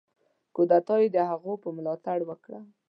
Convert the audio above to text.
کودتا یې د هغوی په ملاتړ وکړه.